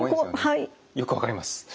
よく分かります。